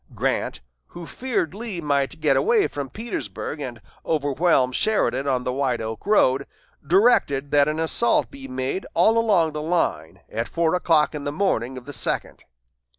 Grant, who feared Lee might get away from Petersburg and overwhelm Sheridan on the White Oak road, directed that an assault be made all along the line at four o'clock on the morning of the second.